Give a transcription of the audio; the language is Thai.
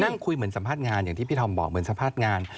นั่งคุยเหมือนสัมภาษณ์งานอย่างที่พี่ธอมบอกเหมือนสัมภาษณ์งาน